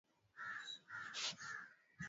Kwa njia ambayo kwa miaka na miaka ya